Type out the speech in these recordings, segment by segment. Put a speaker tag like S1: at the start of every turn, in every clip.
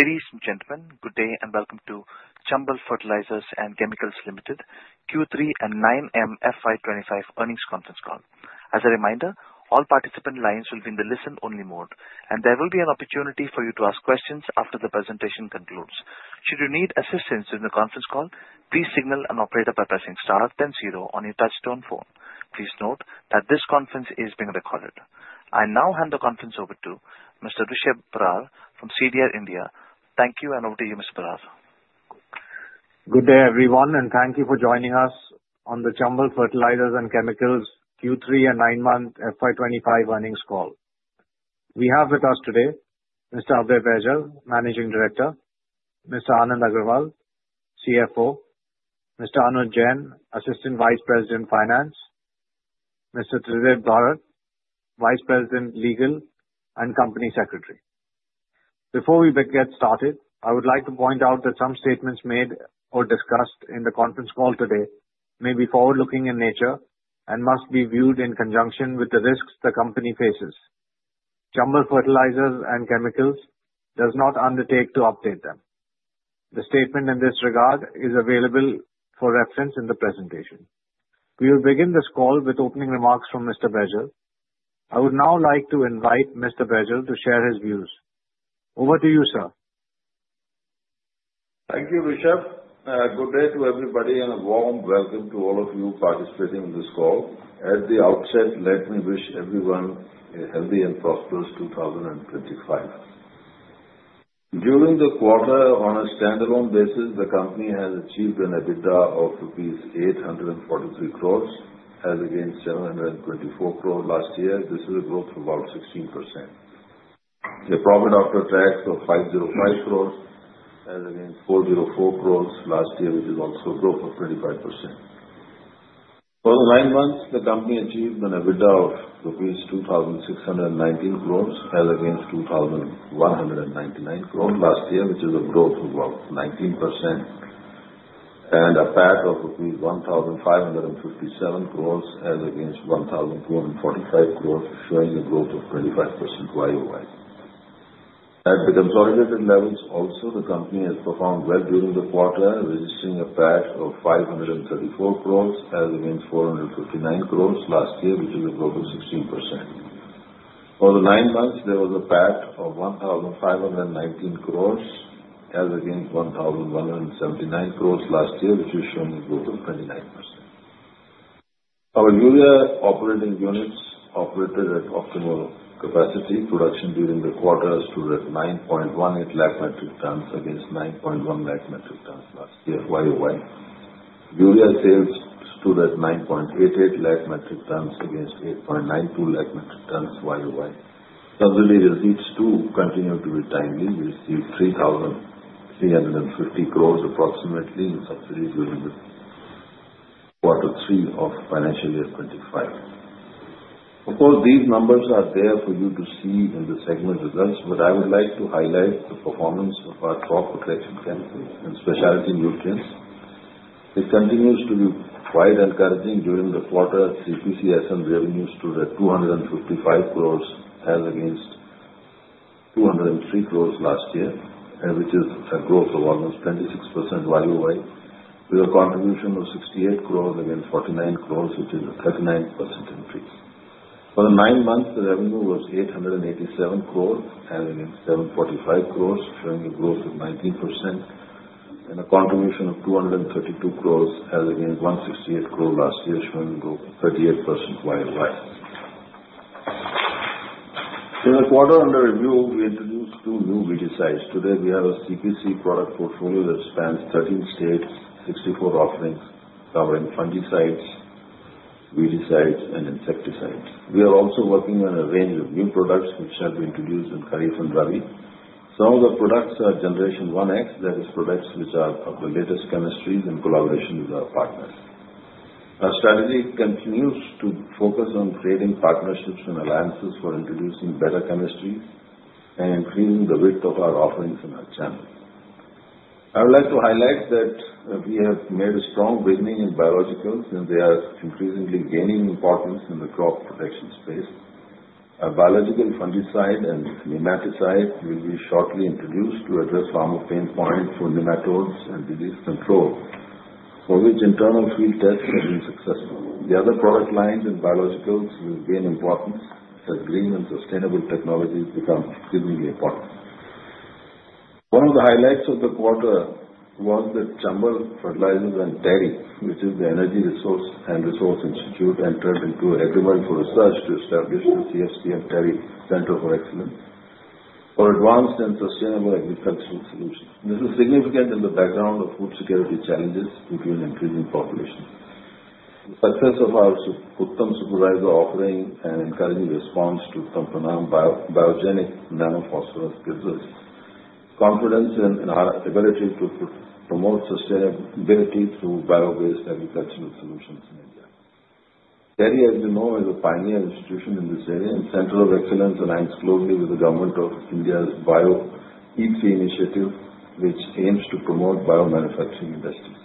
S1: Ladies and gentlemen, good day and welcome to Chambal Fertilisers and Chemicals Limited Q3 and 9M FY25 Earnings Conference Call. As a reminder, all participant lines will be in the listen-only mode, and there will be an opportunity for you to ask questions after the presentation concludes. Should you need assistance during the conference call, please signal an operator by pressing star then zero on your touch-tone phone. Please note that this conference is being recorded. I now hand the conference over to Mr. Rishab Barar from CDR India. Thank you, and over to you, Mr. Barar.
S2: Good day, everyone, and thank you for joining us on the Chambal Fertilisers and Chemicals Q3 and 9M FY25 Earnings Call. We have with us today Mr. Abhay Baijal, Managing Director. Mr. Anand Agarwal, CFO. Mr. Anuj Jain, Assistant Vice President Finance. Mr. Tridib Barat, Vice President Legal and Company Secretary. Before we get started, I would like to point out that some statements made or discussed in the conference call today may be forward-looking in nature and must be viewed in conjunction with the risks the company faces. Chambal Fertilisers and Chemicals does not undertake to update them. The statement in this regard is available for reference in the presentation. We will begin this call with opening remarks from Mr. Baijal. I would now like to invite Mr. Baijal to share his views. Over to you, sir.
S3: Thank you, Rishab. Good day to everybody and a warm welcome to all of you participating in this call. At the outset, let me wish everyone a healthy and prosperous 2025. During the quarter, on a standalone basis, the company has achieved an EBITDA of 843 crore rupees as against 724 crore last year. This is a growth of about 16%. The profit after tax of 505 crore as against 404 crore last year, which is also a growth of 25%. For the nine months, the company achieved an EBITDA of rupees 2,619 crore as against 2,199 crore last year, which is a growth of about 19%, and a PAT of rupees 1,557 crore as against 1,245 crore, showing a growth of 25% YoY. At the consolidated levels also, the company has performed well during the quarter, registering a PAT of 534 crore, has again 459 crore last year, which is a growth of 16%. For the nine months, there was a PAT of 1,519 crore, has again 1,179 crore last year, which is showing a growth of 29%. Our urea operating units operated at optimal capacity. Production during the quarter stood at 9.18 lakh metric tons against 9.1 lakh metric tons last year, YoY. Urea sales stood at 9.88 lakh metric tons against 8.92 lakh metric tons YoY. Subsidy receipts do continue to be timely. We received 3,350 crore approximately in subsidies during the quarter three of financial year 2025. Of course, these numbers are there for you to see in the segment results, but I would like to highlight the performance of our crop protection chemicals and specialty nutrients. It continues to be quite encouraging during the quarter. CPC SN revenues stood at 255 crore, as against 203 crore last year, which is a growth of almost 26% YoY, with a contribution of 68 crore as against 49 crore, which is a 39% increase. For the nine months, the revenue was 887 crore, as against 745 crore, showing a growth of 19%, and a contribution of 232 crore, as against 168 crore last year, showing a growth of 38% YoY. In the quarter under review, we introduced two new weedicides. Today, we have a CPC product portfolio that spans 13 states, 64 offerings, covering fungicides, weedicides, and insecticides. We are also working on a range of new products which have been introduced in Kharif and Rabi. Some of the products are Generation 1x, that is, products which are of the latest chemistries in collaboration with our partners. Our strategy continues to focus on creating partnerships and alliances for introducing better chemistries and increasing the width of our offerings in our channel. I would like to highlight that we have made a strong beginning in biologicals, and they are increasingly gaining importance in the crop protection space. A biological fungicide and nematicide will be shortly introduced to address farmer pain points for nematodes and disease control, for which internal field tests have been successful. The other product lines in biologicals will gain importance as green and sustainable technologies become increasingly important. One of the highlights of the quarter was that Chambal Fertilisers and TERI, which is the Energy and Resources Institute, entered into an agreement for research to establish the CFC TERI Centre for Excellence for advanced and sustainable agricultural solutions. This is significant in the background of food security challenges between increasing populations. The success of our Uttam Superrhiza offering and encouraging response to Uttam Pranaam Biogenic Nano Phosphorus gives us confidence in our ability to promote sustainability through bio-based agricultural solutions in India. TERI, as we know, is a pioneer institution in this area and Centre of Excellence aligns closely with the Government of India's BioE3 initiative, which aims to promote biomanufacturing industries.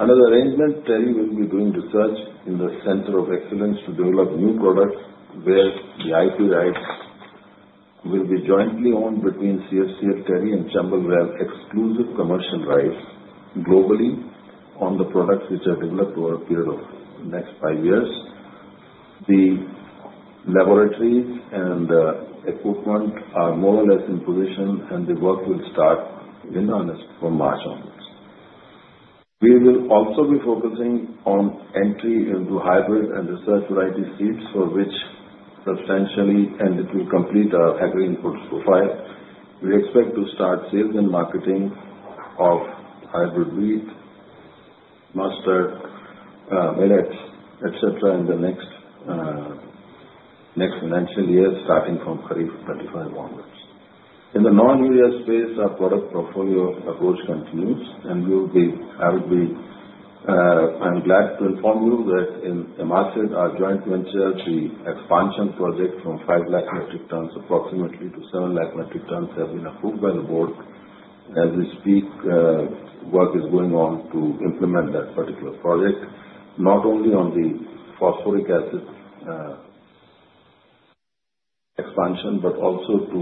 S3: Under the arrangement, TERI will be doing research in the Centre of Excellence to develop new products where the IP rights will be jointly owned between CFC, TERI and Chambal. Chambal will have exclusive commercial rights globally on the products which are developed over a period of the next five years. The laboratories and equipment are more or less in position, and the work will start in earnest from March onwards. We will also be focusing on entry into hybrid and research variety seeds for which substantially, and it will complete our agri-inputs profile. We expect to start sales and marketing of hybrid wheat, mustard, millets, etc., in the next financial year starting from Kharif FY25 onwards. In the non-urea space, our product portfolio approach continues, and I would be glad to inform you that in IMACID, our joint venture, the expansion project from 5 lakh metric tons approximately to 7 lakh metric tons has been approved by the board. As we speak, work is going on to implement that particular project, not only on the phosphoric acid expansion but also to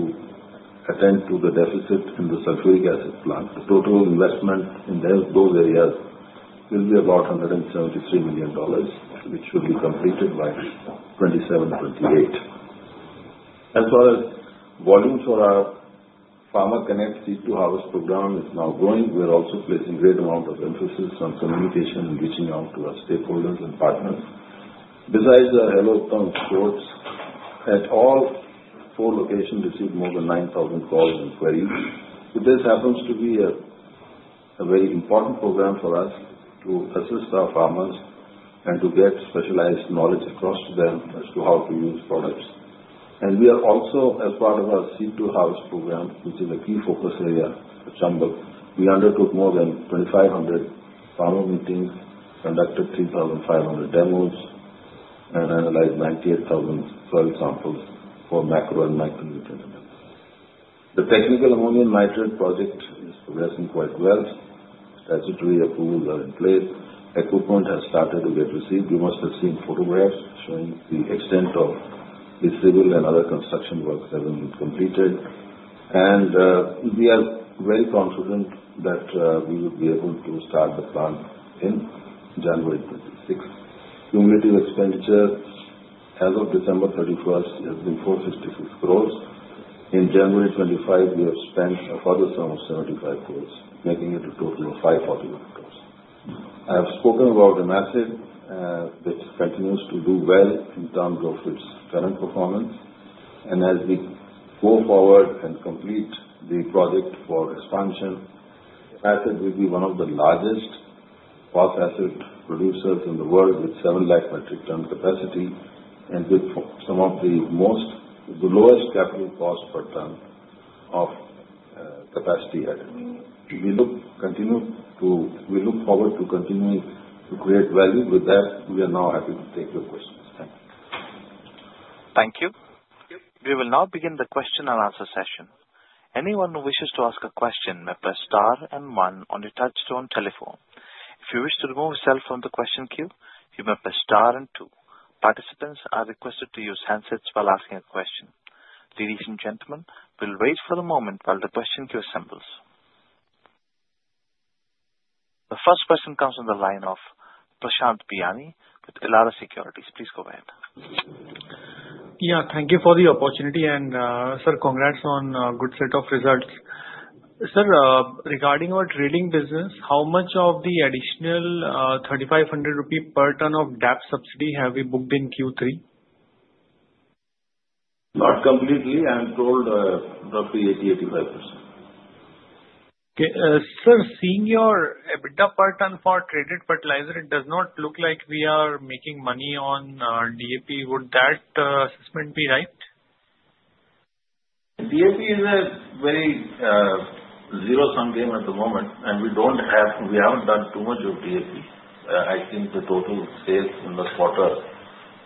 S3: attend to the deficit in the sulfuric acid plant. The total investment in those areas will be about $173 million, which will be completed by 2027-2028. As far as volumes for our Farmer Connect seed-to-harvest program is now growing, we are also placing a great amount of emphasis on communication and reaching out to our stakeholders and partners. Besides our Hello Uttam support at all four locations received more than 9,000 calls and queries. This happens to be a very important program for us to assist our farmers and to get specialized knowledge across to them as to how to use products, and we are also, as part of our seed-to-harvest program, which is a key focus area at Chambal, we undertook more than 2,500 farmer meetings, conducted 3,500 demos, and analyzed 98,012 samples for macro and micronutrient analysis. The Technical Ammonium Nitrate project is progressing quite well. Statutory approvals are in place. Equipment has started to get received. You must have seen photographs showing the extent of the civil and other construction works that have been completed. We are very confident that we will be able to start the plant in January 26. Cumulative expenditure as of December 31st has been 466 crore. In January 25, we have spent a further 75 crore, making it a total of 541 crore. I have spoken about IMACID, which continues to do well in terms of its current performance. As we go forward and complete the project for expansion, IMACID will be one of the largest phosphoric acid producers in the world with 7 lakh metric tons capacity and with some of the lowest capital cost per ton of capacity added. We look forward to continuing to create value. With that, we are now happy to take your questions. Thank you.
S1: Thank you. We will now begin the question and answer session. Anyone who wishes to ask a question may press star and one on your touch-tone telephone. If you wish to remove yourself from the question queue, you may press star and two. Participants are requested to use handsets while asking a question. Ladies and gentlemen, we'll wait for a moment while the question queue assembles. The first question comes from the line of Prashant Biyani with Elara Securities. Please go ahead.
S4: Yeah, thank you for the opportunity. Sir, congrats on a good set of results. Sir, regarding our trading business, how much of the additional 3,500 rupee per ton of DAP subsidy have we booked in Q3?
S3: Not completely. I'm told roughly 80%-85%.
S4: Okay. Sir, seeing your EBITDA per ton for traded fertilizer, it does not look like we are making money on DAP. Would that assessment be right?
S3: DAP is a very zero-sum game at the moment, and we haven't done too much of DAP. I think the total sales in the quarter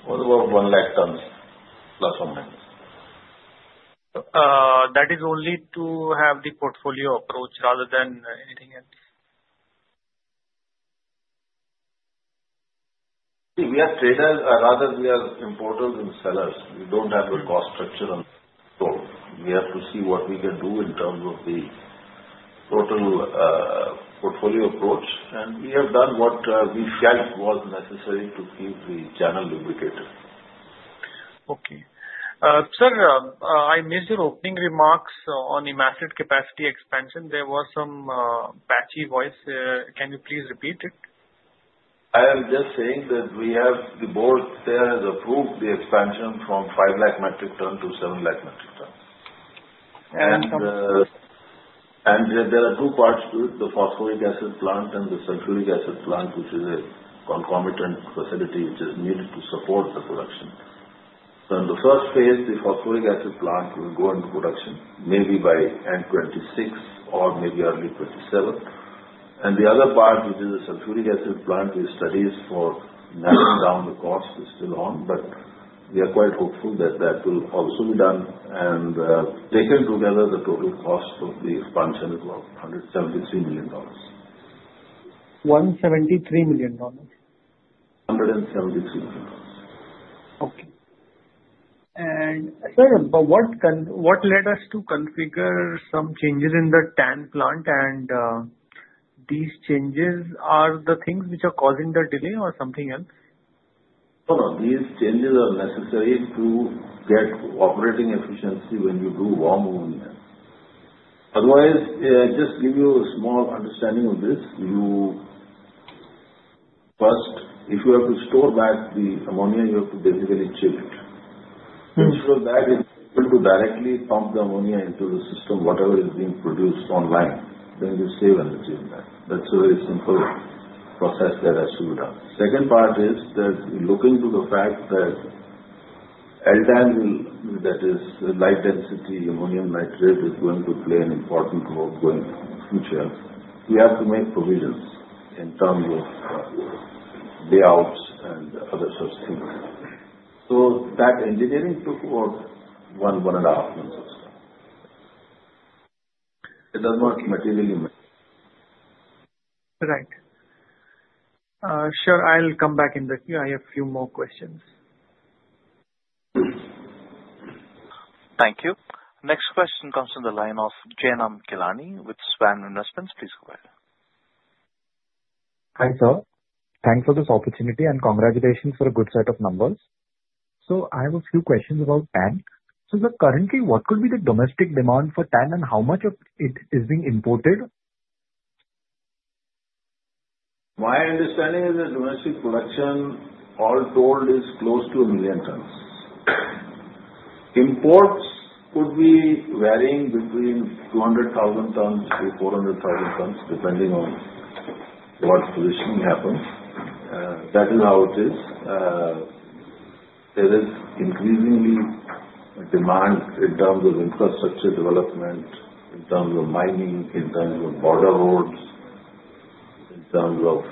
S3: was about 1 lakh tons, plus or minus.
S4: That is only to have the portfolio approach rather than anything else?
S3: See, we are traders. Rather, we are importers and sellers. We don't have a cost structure on the stock. We have to see what we can do in terms of the total portfolio approach, and we have done what we felt was necessary to keep the channel lubricated.
S4: Okay. Sir, I missed your opening remarks on IMACID capacity expansion. There were some patchy voices. Can you please repeat it?
S3: I am just saying that we have, the board there has approved the expansion from 5 lakh metric tons to 7 lakh metric tons.
S4: And some.
S3: There are two parts to it: the phosphoric acid plant and the sulfuric acid plant, which is a concomitant facility which is needed to support the production. In the phase I, the phosphoric acid plant will go into production, maybe by end 2026 or maybe early 2027. The other part, which is the sulfuric acid plant, we study for narrowing down the cost is still on, but we are quite hopeful that that will also be done. Taken together, the total cost of the expansion is about $173 million.
S4: $173 million?
S3: $173 million.
S4: Okay. And sir, what led us to configure some changes in the TAN plant? And these changes are the things which are causing the delay or something else?
S3: No, no. These changes are necessary to get operating efficiency when you do warm ammonia. Otherwise, just to give you a small understanding of this, you first, if you have to store back the ammonia, you have to basically chill it. Instead of that, if you were to directly pump the ammonia into the system, whatever is being produced online, then you save energy in that. That's a very simple process that has to be done. Second part is that looking to the fact that LDAN, that is, low-density ammonium nitrate, is going to play an important role going into the future, we have to make provisions in terms of layouts and other such things. So that engineering took about one, one and a half months or so. It does not materially matter.
S4: Right. Sure. I'll come back in the queue. I have a few more questions.
S1: Thank you. Next question comes from the line of Jainam Ghelani with Svan Investments. Please go ahead.
S5: Hi sir. Thanks for this opportunity and congratulations for a good set of numbers. So I have a few questions about TAN. So currently, what could be the domestic demand for TAN and how much of it is being imported?
S3: My understanding is that domestic production, all told, is close to a million tons. Imports could be varying between 200,000-400,000 tons, depending on what positioning happens. That is how it is. There is increasingly demand in terms of infrastructure development, in terms of mining, in terms of border roads, in terms of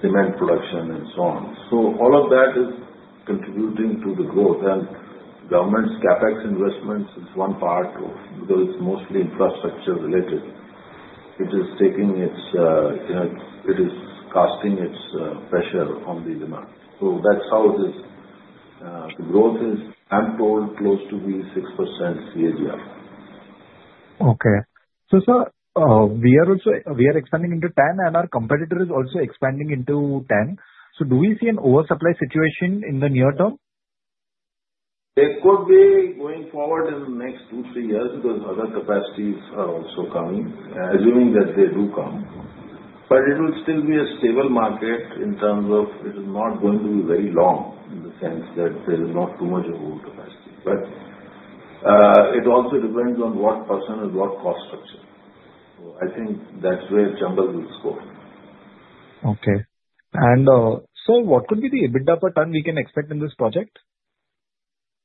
S3: cement production, and so on. So all of that is contributing to the growth. And government's CapEx investments is one part of it because it's mostly infrastructure-related. It is casting its pressure on the demand. So that's how it is. The growth is, I'm told, close to the 6% CAGR.
S5: Okay, so sir, we are expanding into TAN, and our competitor is also expanding into TAN, so do we see an oversupply situation in the near term?
S3: It could be going forward in the next two, three years because other capacities are also coming, assuming that they do come. But it will still be a stable market in terms of it is not going to be very long in the sense that there is not too much of overcapacity. But it also depends on what plant and what cost structure. So I think that's where Chambal will score.
S5: Okay. And, sir, what could be the EBITDA per ton we can expect in this project?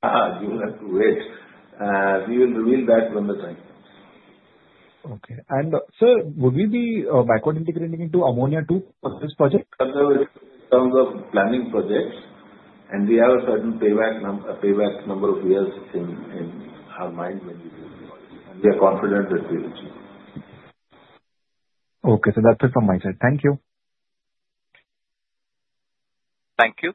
S3: You will have to wait. We will reveal that when the time comes.
S5: Okay. And sir, would we be backward integrating into ammonia too for this project?
S3: In terms of planning projects, and we have a certain payback number of years in our mind when we do the project. And we are confident that we will achieve it.
S5: Okay, so that's it from my side. Thank you.
S1: Thank you.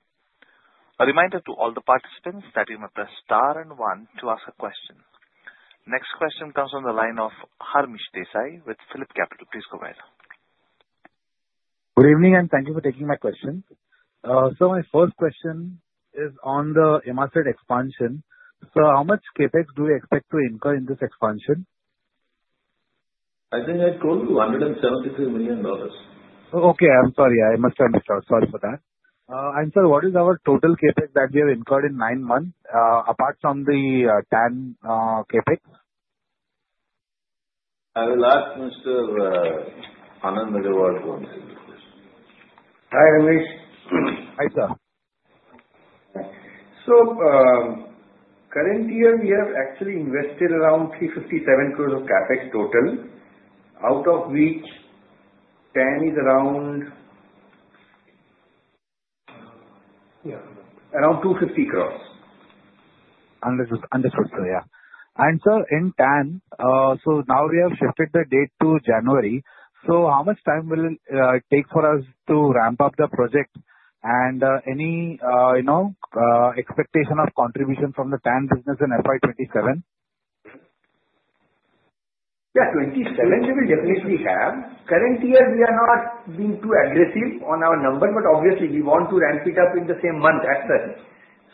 S1: A reminder to all the participants that you may press star and one to ask a question. Next question comes from the line of Harmish Desai with Phillip Capital. Please go ahead.
S6: Good evening, and thank you for taking my question. So my first question is on the IMACID expansion. So how much CapEx do we expect to incur in this expansion?
S3: I think I told you $173 million.
S6: Okay. I'm sorry. I must have missed out. Sorry for that. Sir, what is our total CapEx that we have incurred in nine months apart from the TAN CapEx?
S3: I will ask Mr. Anand Agrawal to answer this question.
S7: Hi, Harmish.
S6: Hi, sir.
S7: Current year, we have actually invested around 357 crore of CapEx total, out of which TAN is around 250 crore.
S6: Understood. Understood. Sir, yeah. And sir, in TAN, so now we have shifted the date to January. So how much time will it take for us to ramp up the project? And any expectation of contribution from the TAN business in FY27?
S7: Yeah, 27, we will definitely have. Current year, we are not being too aggressive on our number, but obviously, we want to ramp it up in the same month as such.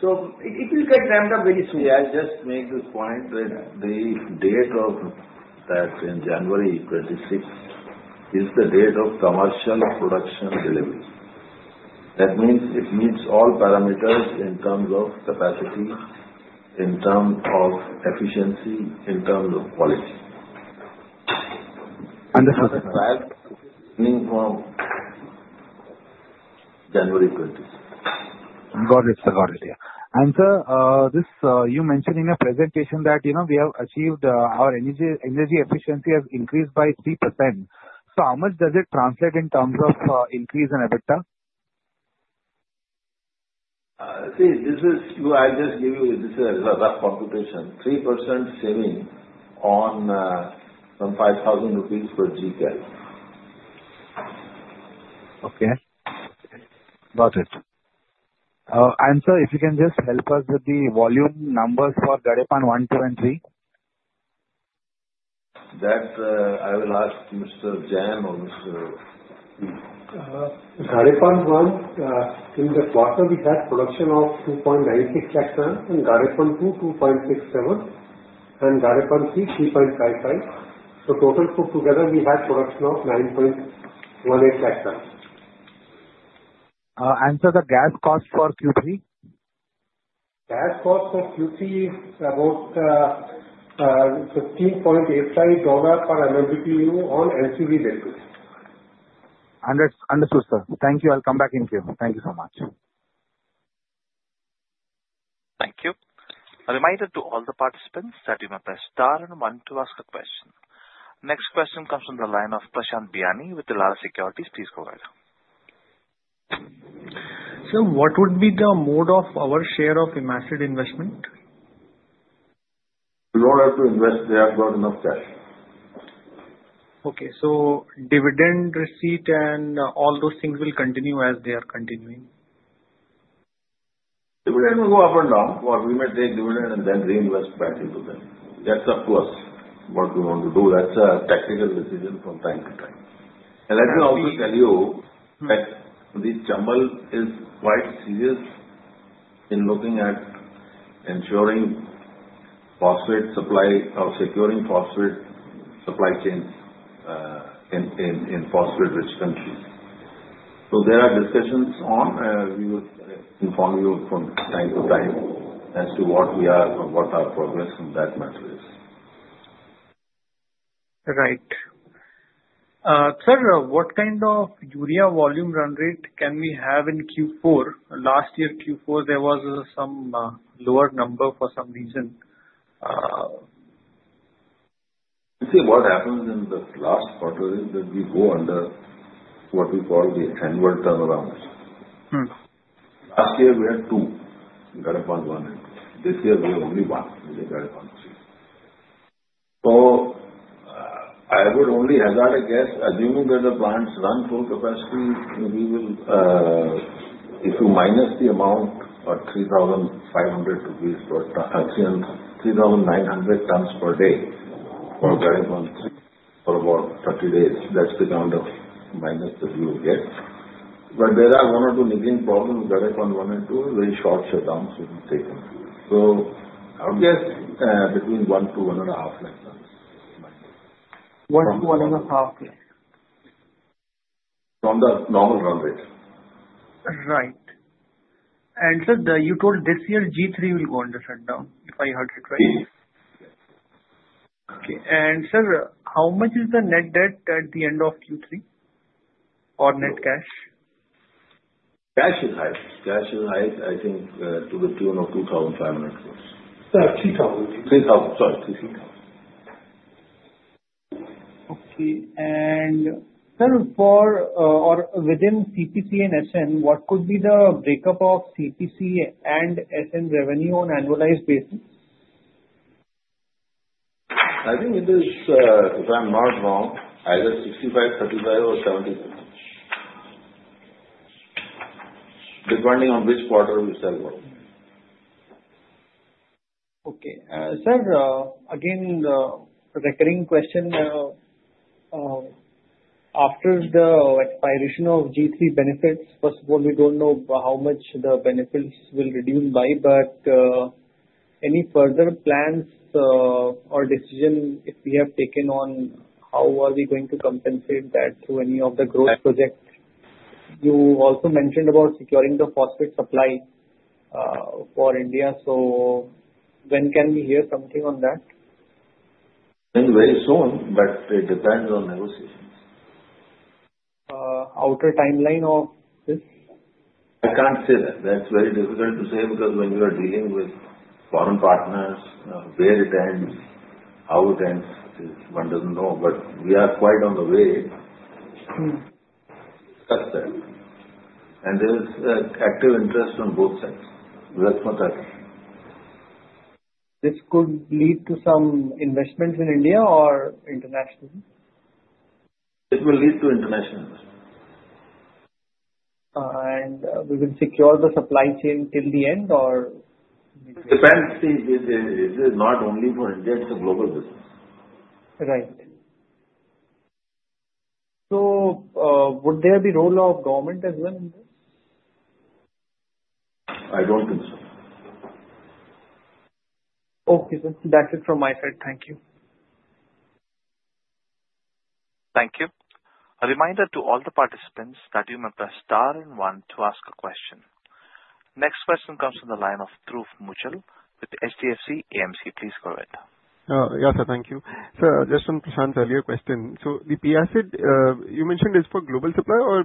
S7: So it will get ramped up very soon.
S3: Yeah, just make this point that the date of that in January 2026 is the date of commercial production delivery. That means it meets all parameters in terms of capacity, in terms of efficiency, in terms of quality.
S6: Understood.
S3: That is valid from January 26.
S6: Got it, sir. Got it. Yeah. And sir, you mentioned in your presentation that we have achieved our energy efficiency has increased by 3%. So how much does it translate in terms of increase in EBITDA?
S3: See, I'll just give you this is a rough computation. 3% saving on some INR 5,000 per Gcal.
S6: Okay. Got it. And sir, if you can just help us with the volume numbers for Gadepan I, II, and III?
S3: That, I will ask Mr. Jain
S8: for Gadepan I. In the quarter, we had production of 2.96 lakh tonnes, and Gadepan II, 2.67, and Gadepan III, 3.55. So total put together, we had production of 9.18 lakh tonnes.
S6: Sir, the gas cost for Q3?
S8: Gas cost for Q3 is about $15.85 per MMBTU on LCV data.
S6: Understood, sir. Thank you. I'll come back in queue. Thank you so much.
S1: Thank you. A reminder to all the participants that you may press star and one to ask a question. Next question comes from the line of Prashant Biyani with Elara Securities. Please go ahead.
S4: Sir, what would be the mode of our share of IMACID investment?
S3: We won't have to invest. They have got enough cash.
S4: Okay. So dividend receipt and all those things will continue as they are continuing?
S3: Dividend will go up and down. We may take dividend and then reinvest back into them. That's up to us what we want to do. That's a technical decision from time to time. Let me also tell you that the Chambal is quite serious in looking at ensuring phosphate supply or securing phosphate supply chains in phosphate-rich countries. There are discussions on. We will inform you from time to time as to what we are or what our progress on that matter is.
S4: Right. Sir, what kind of urea volume run rate can we have in Q4? Last year, Q4, there was some lower number for some reason.
S3: You see, what happens in the last quarter is that we go under what we call the annual turnarounds. Last year, we had two, Gadepan I and II. This year, we have only one, Gadepan III. So I would only hazard a guess. Assuming that the plants run full capacity, we will, if you minus the amount of 3,500 rupees per 3,900 tons per day for Gadepan III for about 30 days, that's the kind of minus that you will get. But there are one or two niggly problems. Gadepan I and II are very short shutdowns, which will take them too. So I would guess between one to one and a half like that.
S4: One to one and a half, yeah.
S3: From the normal run rate.
S4: Right, and sir, you told this year G3 will go under shutdown, if I heard it right?
S3: Yes.
S4: Okay. And sir, how much is the net debt at the end of Q3 or net cash?
S3: Cash is high. Cash is high, I think, to the tune of 2,500.
S7: Yeah, 3,000.
S3: 3,000. Sorry, to 3,000.
S4: Okay. Sir, within CPC and SN, what could be the breakup of CPC and SN revenue on annualized basis?
S3: I think it is, if I'm not wrong, either 65%, 35%, or 70%, depending on which quarter we sell what.
S4: Okay. Sir, again, recurring question. After the expiration of G3 benefits, first of all, we don't know how much the benefits will reduce by, but any further plans or decisions if we have taken on how are we going to compensate that through any of the growth projects? You also mentioned about securing the phosphate supply for India. So when can we hear something on that?
S3: Very soon, but it depends on negotiations.
S4: Outer timeline of this?
S3: I can't say that. That's very difficult to say because when you are dealing with foreign partners, where it ends, how it ends, one doesn't know. But we are quite on the way to discuss that. And there is active interest on both sides. That's my question.
S4: This could lead to some investments in India or internationally?
S3: It will lead to international investments.
S4: We will secure the supply chain till the end, or?
S3: It depends. See, this is not only for India. It's a global business.
S4: Right, so would there be a role of government as well in this?
S3: I don't think so.
S4: Okay. That's it from my side. Thank you.
S1: Thank you. A reminder to all the participants that you may press star and one to ask a question. Next question comes from the line of Dhruv Muchhal with HDFC AMC. Please go ahead.
S9: Yes, sir. Thank you. Sir, just on Prashant's earlier question. So the IMACID, you mentioned it's for global supply, or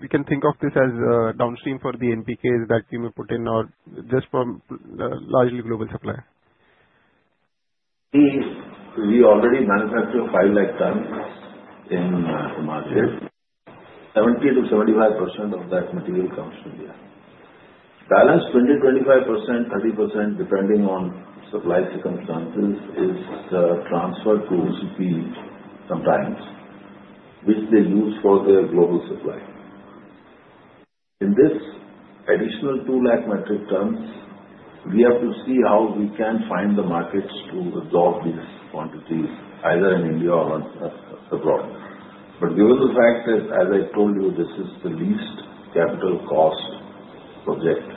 S9: we can think of this as downstream for the NPKs that you may put in, or just for largely global supply?
S3: We already manufacture 5 lakh tons in the market. 70%-75% of that material comes to India. Balance 20%-25%, 30%, depending on supply circumstances, is transferred to OCP sometimes, which they use for their global supply. In this additional 2 lakh metric tons, we have to see how we can find the markets to absorb these quantities, either in India or abroad. But given the fact that, as I told you, this is the least capital cost project,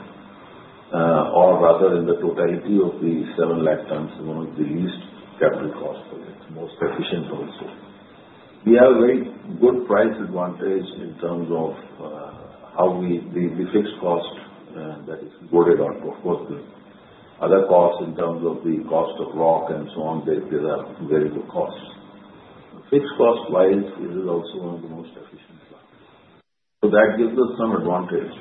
S3: or rather in the totality of the 7 lakh tons, one of the least capital cost projects, most efficient also. We have a very good price advantage in terms of how we the fixed cost that is loaded onto of course, the other costs in terms of the cost of rock and so on, these are very low costs. Fixed cost-wise, it is also one of the most efficient ones. So that gives us some advantage.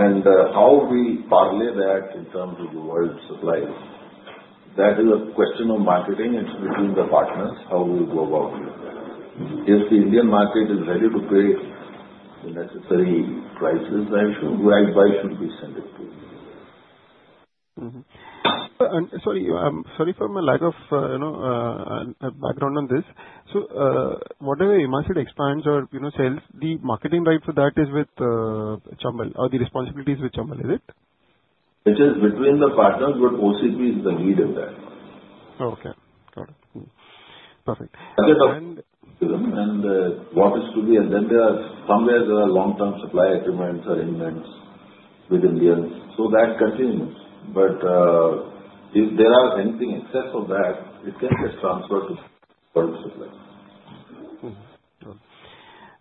S3: And how we parlay that in terms of the world supply, that is a question of marketing between the partners, how we will go about it. If the Indian market is ready to pay the necessary prices, it should rightly be sent to India.
S9: Sorry, sorry for my lack of background on this. So whatever IMACID expansion or sales, the marketing right for that is with Chambal, or the responsibility is with Chambal, is it?
S3: It is between the partners, but OCP is the lead in that. Okay. Got it. Perfect. Market of what is to be, and then there are somewhere long-term supply agreements or agreements with Indians. So that continues. But if there are anything excess of that, it can get transferred to world supply.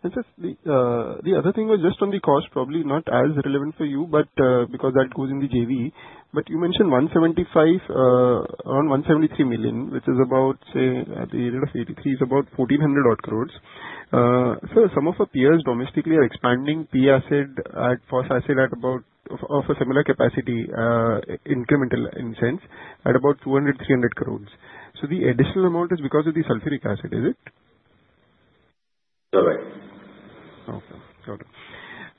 S9: Sir, the other thing was just on the cost, probably not as relevant for you, but because that goes in the JV. But you mentioned 175, around $173 million, which is about, say, at the rate of 83, is about 1,400 crore. Sir, some of our peers domestically are expanding IMACID at phosphoric acid at about of a similar capacity, incremental in sense, at about 200-300 crore. So the additional amount is because of the sulfuric acid, is it?
S3: Correct.
S9: Okay. Got it.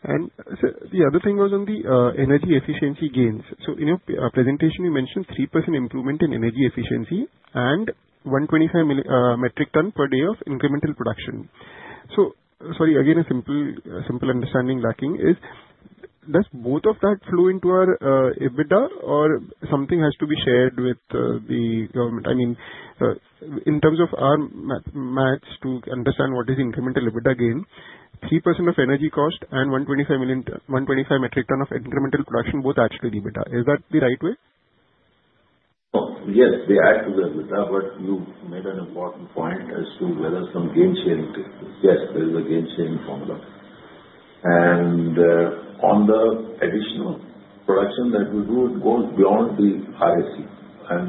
S9: And sir, the other thing was on the energy efficiency gains. So in your presentation, you mentioned 3% improvement in energy efficiency and 125 metric tons per day of incremental production. So sorry, again, a simple understanding lacking is, does both of that flow into our EBITDA, or something has to be shared with the government? I mean, in terms of our maths to understand what is incremental EBITDA gain, 3% of energy cost and 125 metric tons of incremental production, both add to the EBITDA. Is that the right way?
S3: Yes, they add to the EBITDA, but you made an important point as to whether some gain sharing takes place. Yes, there is a gain sharing formula, and on the additional production that we do, it goes beyond the RAC, and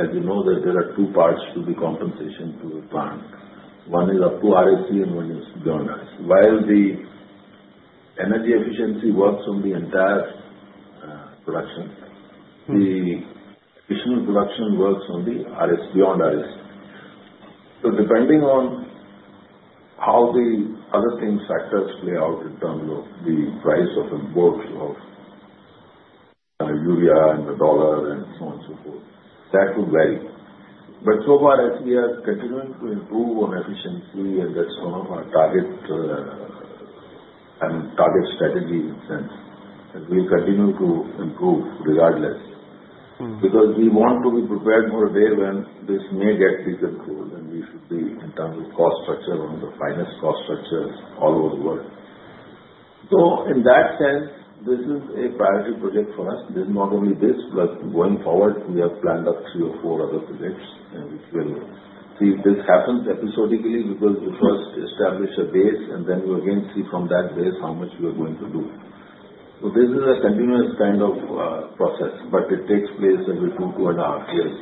S3: as you know, there are two parts to the compensation to the plant. One is up to RAC, and one is beyond RAC. While the energy efficiency works on the entire production, the additional production works on the RAC, beyond RAC, so depending on how the other things, factors play out in terms of the price of a bag of urea and the dollar and so on and so forth, that would vary. But so far, as we are continuing to improve on efficiency, and that's one of our target and target strategy in sense, we will continue to improve regardless because we want to be prepared for a day when this may get decontrol, and we should be in terms of cost structure on the finest cost structures all over the world. So in that sense, this is a priority project for us. There's not only this, but going forward, we have planned up three or four other projects, and we will see if this happens episodically because we first establish a base, and then we again see from that base how much we are going to do. So this is a continuous kind of process, but it takes place every two, two and a half years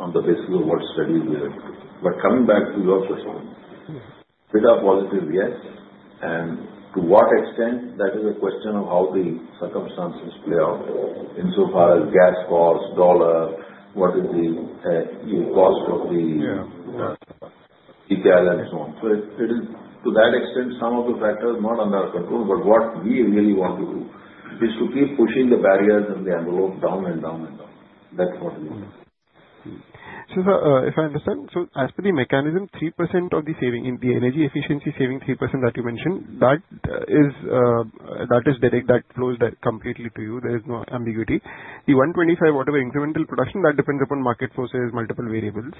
S3: on the basis of what studies we have to do. But coming back to your question, better positive, yes. And to what extent? That is a question of how the circumstances play out insofar as gas cost, dollar, what is the cost of the Gcal, and so on. So to that extent, some of the factors are not under control, but what we really want to do is to keep pushing the barriers and the envelope down and down and down. That's what we want to do.
S9: Sir, if I understand, so as per the mechanism, 3% of the saving, the energy efficiency saving 3% that you mentioned, that is direct, that flows completely to you. There is no ambiguity. The 125, whatever incremental production, that depends upon market forces, multiple variables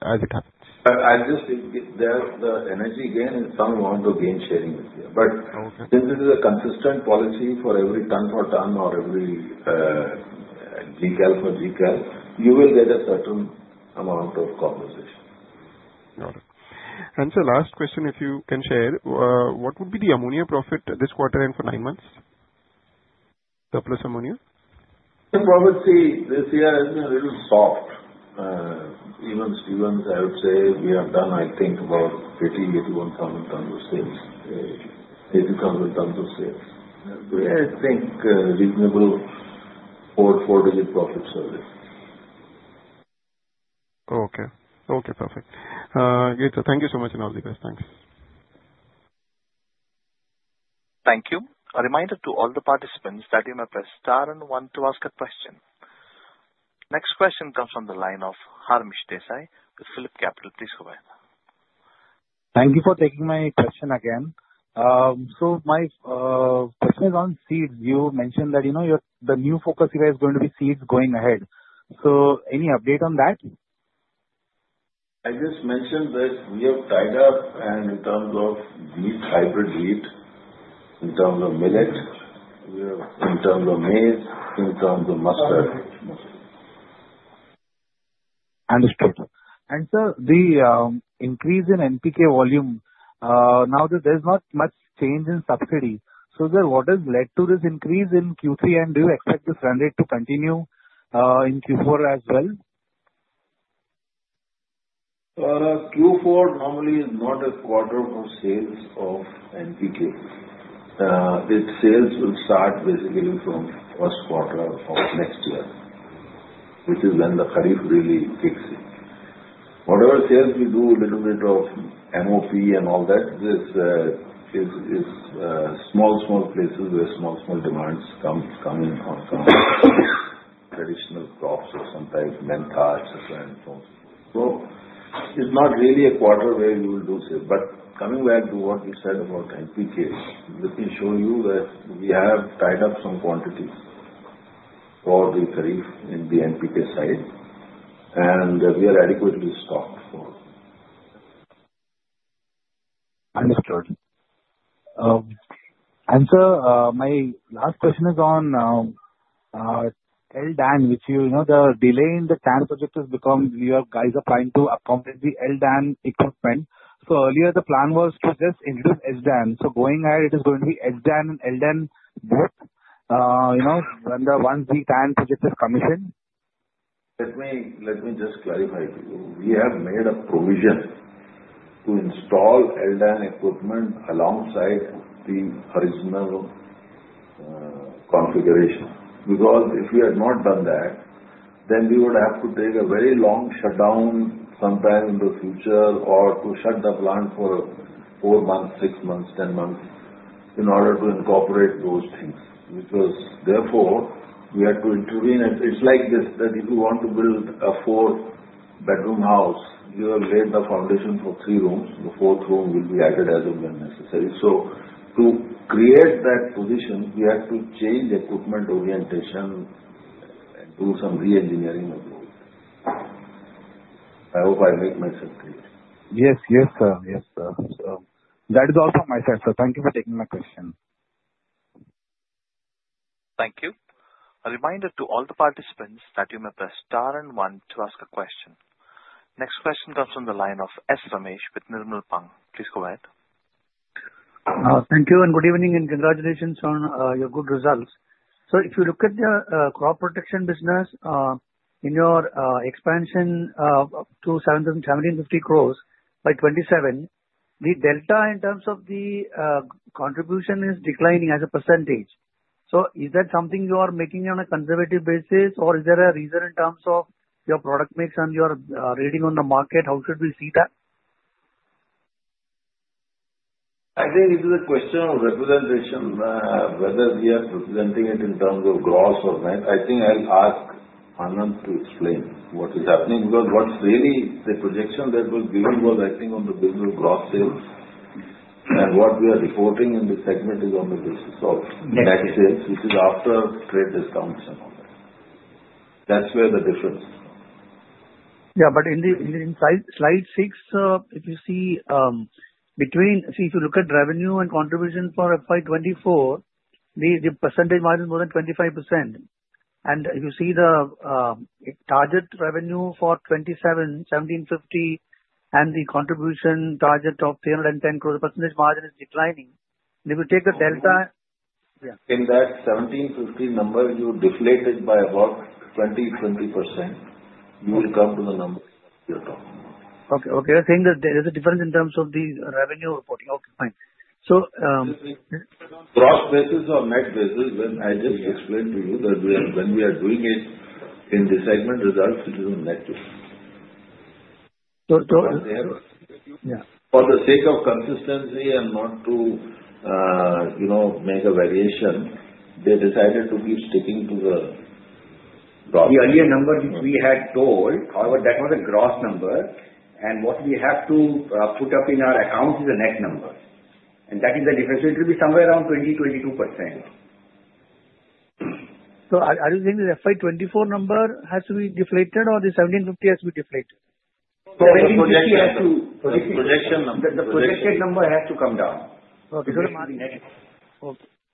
S9: as it happens.
S3: I just think that the energy gain is some amount of gain sharing with you. But since this is a consistent policy for every ton for ton or every Gcal for Gcal, you will get a certain amount of compensation.
S9: Got it. And sir, last question, if you can share, what would be the ammonia profit this quarter and for nine months? Surplus ammonia?
S3: The profit this year has been a little soft. Even Stevens, I would say, we have done, I think, about 80-81 thousand tons of sales, 80,000 tons of sales. I think reasonable four-digit profit surely.
S9: Okay. Okay. Perfect. Great. Thank you so much, and all the best. Thanks.
S1: Thank you. A reminder to all the participants that you may press star and one to ask a question. Next question comes from the line of Harmish Desai with Phillip Capital. Please go ahead.
S6: Thank you for taking my question again. So my question is on seeds. You mentioned that the new focus here is going to be seeds going ahead. So any update on that?
S3: I just mentioned that we have tied up, and in terms of beef hybrid wheat, in terms of millet, in terms of maize, in terms of mustard.
S6: Understood, and sir, the increase in NPK volume, now that there's not much change in subsidy, so sir, what has led to this increase in Q3, and do you expect this run rate to continue in Q4 as well?
S3: Q4 normally is not a quarter for sales of NPK. The sales will start basically from first quarter of next year, which is when the Kharif really kicks in. Whatever sales we do, a little bit of MOP and all that, there's small, small places where small, small demands come in on some traditional crops or sometimes mentha, etc., and so on. So it's not really a quarter where we will do sales. But coming back to what you said about NPK, let me show you that we have tied up some quantities for the Kharif in the NPK side, and we are adequately stocked for.
S6: Understood, and sir, my last question is on LDAN, which, you know, the delay in the TAN project has become. You guys are trying to accomplish the LDAN equipment, so earlier, the plan was to just introduce HDAN, so going ahead, it is going to be HDAN and LDAN both once the TAN project is commissioned.
S3: Let me just clarify to you. We have made a provision to install LDAN equipment alongside the original configuration. Because if we had not done that, then we would have to take a very long shutdown sometime in the future or to shut the plant for four months, six months, 10 months in order to incorporate those things. Because therefore, we had to intervene. It's like this that if you want to build a four-bedroom house, you have laid the foundation for three rooms. The fourth room will be added as and when necessary. So to create that position, we have to change equipment orientation and do some re-engineering of those. I hope I made myself clear.
S6: Yes. Yes, sir. Yes, sir. So that is all from my side, sir. Thank you for taking my question.
S1: Thank you. A reminder to all the participants that you may press star and one to ask a question. Next question comes from the line of S. Ramesh with Nirmal Bang. Please go ahead.
S10: Thank you and good evening and congratulations on your good results, so if you look at the crop production business, in your expansion up to 7,750 crore by 2027, the delta in terms of the contribution is declining as a percentage, so is that something you are making on a conservative basis, or is there a reason in terms of your product mix and your rating on the market? How should we see that?
S3: I think this is a question of representation, whether we are presenting it in terms of gross or net. I think I'll ask Anand to explain what is happening. Because what's really the projection that was given was, I think, on the business gross sales. And what we are reporting in the segment is on the basis of net sales, which is after trade discounts and all that. That's where the difference is.
S10: Yeah. But in slide six, if you see between see, if you look at revenue and contribution for FY 24, the percentage margin is more than 25%. And if you see the target revenue for 27, 1,750, and the contribution target of 310 crore, the percentage margin is declining. And if you take the delta.
S3: In that 1,750 number, you deflate it by about 20, 20%, you will come to the number you're talking about.
S10: Okay. Okay. You're saying that there's a difference in terms of the revenue reporting. Okay. Fine. So.
S3: Gross basis or net basis, when I just explained to you that when we are doing it in the segment results, it is on net basis.
S10: So.
S3: For the sake of consistency and not to make a variation, they decided to keep sticking to the gross.
S7: The earlier number which we had told, however, that was a gross number. And what we have to put up in our accounts is a net number. And that is the difference. So it will be somewhere around 20-22%.
S10: So are you saying the FY 24 number has to be deflated, or the 1,750 has to be deflated?
S3: The projected number.
S7: The projected number has to come down.
S10: Okay.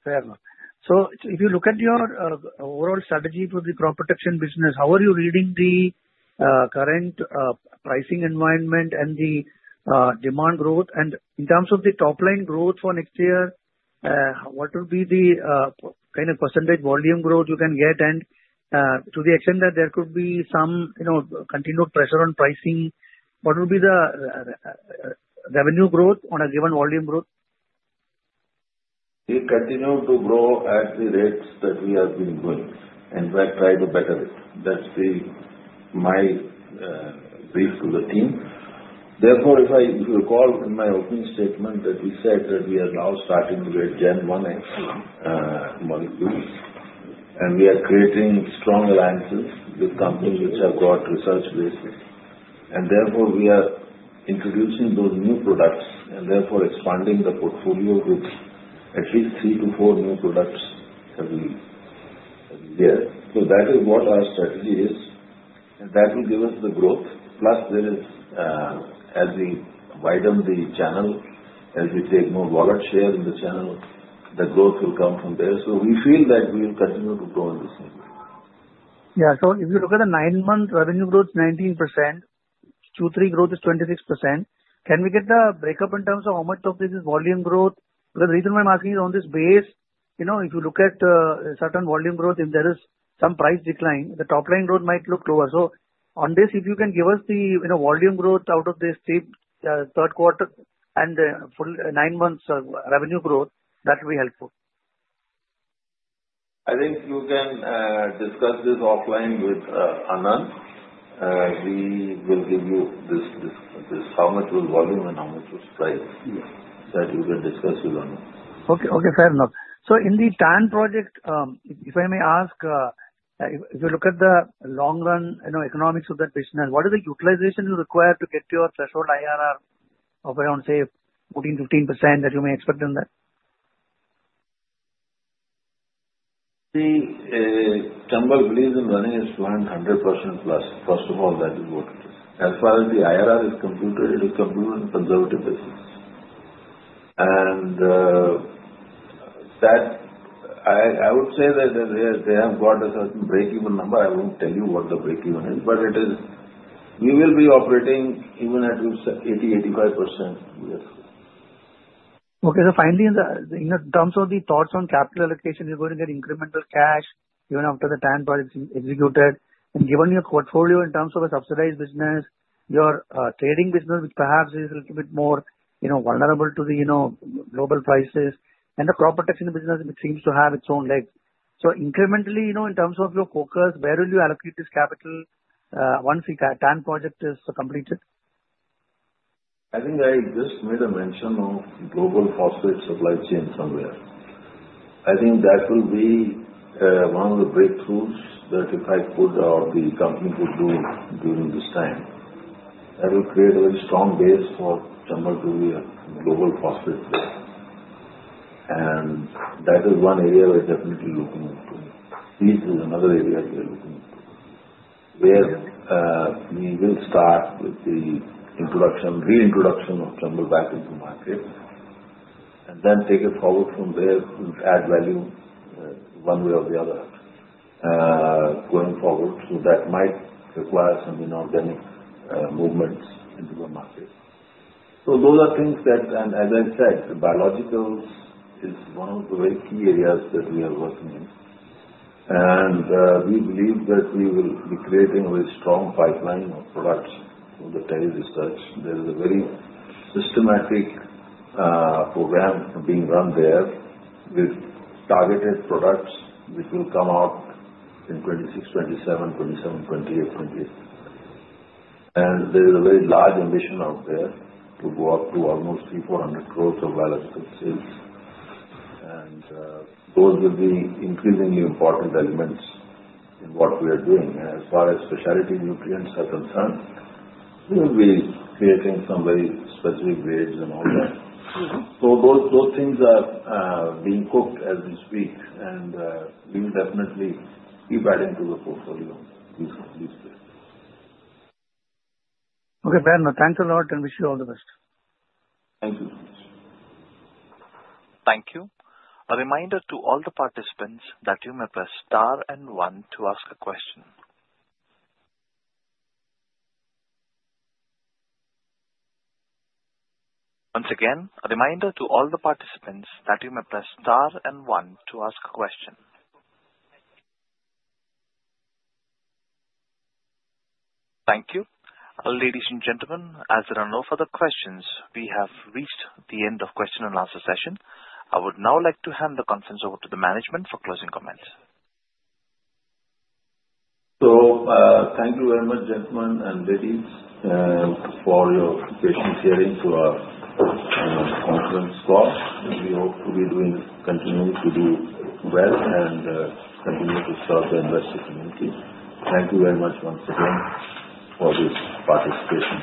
S10: Fair enough. So if you look at your overall strategy for the crop production business, how are you reading the current pricing environment and the demand growth? And in terms of the top-line growth for next year, what will be the kind of percentage volume growth you can get? And to the extent that there could be some continued pressure on pricing, what will be the revenue growth on a given volume growth?
S3: It continued to grow at the rates that we have been going. In fact, try to better it. That's my brief to the team. Therefore, if you recall in my opening statement that we said that we are now starting to get Gen 1X molecules, and we are creating strong alliances with companies which have got research basis, and therefore, we are introducing those new products and therefore expanding the portfolio with at least three to four new products that we have, so that is what our strategy is, and that will give us the growth. Plus, as we widen the channel, as we take more wallet share in the channel, the growth will come from there, so we feel that we will continue to grow in the same way.
S10: Yeah. So if you look at the nine-month revenue growth, 19%, Q3 growth is 26%. Can we get the break-up in terms of how much of this is volume growth? Because the reason why I'm asking is on this basis, if you look at certain volume growth, if there is some price decline, the top-line growth might look lower. So on this, if you can give us the volume growth out of this third quarter and nine months revenue growth, that will be helpful.
S3: I think you can discuss this offline with Anand. We will give you how much was volume and how much was price that you can discuss with Anand.
S10: Okay. Fair enough. So in the TAN project, if I may ask, if you look at the long-run economics of that business, what is the utilization you require to get to your threshold IRR of around, say, 14%-15% that you may expect in that?
S3: See, Chambal believes in running its plant 100% plus. First of all, that is what it is. As far as the IRR is computed, it is computed on a conservative basis. And I would say that they have got a certain break-even number. I won't tell you what the break-even is, but we will be operating even at 80%-85%.
S10: Okay, so finally, in terms of the thoughts on capital allocation, you're going to get incremental cash even after the TAN project is executed, and given your portfolio in terms of a subsidized business, your trading business, which perhaps is a little bit more vulnerable to the global prices, and the crop protection business, it seems to have its own legs, so incrementally, in terms of your focus, where will you allocate this capital once the TAN project is completed?
S3: I think I just made a mention of global phosphate supply chain somewhere. I think that will be one of the breakthroughs that if I could or the company could do during this time, that will create a very strong base for Chambal to be a global phosphate player. And that is one area we're definitely looking into. Seeds is another area we are looking into where we will start with the reintroduction of Chambal back into market and then take it forward from there and add value one way or the other going forward. So those are things that, and as I said, biologicals is one of the very key areas that we are working in. And we believe that we will be creating a very strong pipeline of products for the TERI Research. There is a very systematic program being run there with targeted products which will come out in 2026, 2027, 2027, 2028, 2028. And there is a very large ambition out there to go up to almost 3,400 crore of biological sales. And those will be increasingly important elements in what we are doing. And as far as specialty nutrients are concerned, we will be creating some very specific rates and all that. So those things are being cooked as we speak. And we will definitely keep adding to the portfolio these days.
S10: Okay. Fair enough. Thanks a lot, and wish you all the best.
S3: Thank you.
S1: Thank you. A reminder to all the participants that you may press star and one to ask a question. Once again, a reminder to all the participants that you may press star and one to ask a question. Thank you. Ladies and gentlemen, as there are no further questions, we have reached the end of question and answer session. I would now like to hand the conference over to the management for closing comments.
S3: So, thank you very much, gentlemen and ladies, for your patience hearing to our conference call. We hope to be doing continuing to do well and continue to serve the investor community. Thank you very much once again for this participation.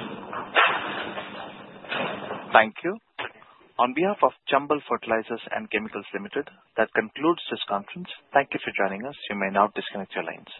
S1: Thank you. On behalf of Chambal Fertilisers and Chemicals Limited, that concludes this conference. Thank you for joining us. You may now disconnect your lines.